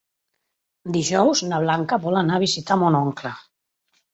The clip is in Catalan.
Dijous na Blanca vol anar a visitar mon oncle.